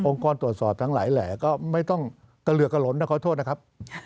กรตรวจสอบทั้งหลายแหล่ก็ไม่ต้องกระเหลือกะหล่นนะขอโทษนะครับ